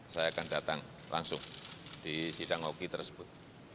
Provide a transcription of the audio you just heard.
saya akan datang langsung di sidang oki tersebut